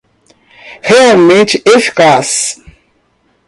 Realmente eficaz?